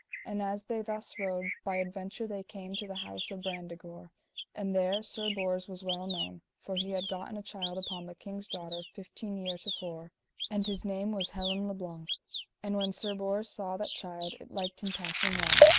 And as they thus rode, by adventure they came to the house of Brandegore, and there Sir Bors was well known, for he had gotten a child upon the king's daughter fifteen year to fore, and his name was Helin le Blank. And when Sir Bors saw that child it liked him passing well.